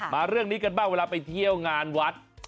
มาเรื่องนี้กันบ้างเวลาไปเที่ยวงานวัด